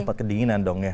untuk kebawang ya